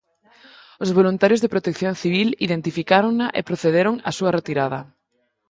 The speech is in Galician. Os voluntarios de Protección Civil identificárona e procederon á súa retirada.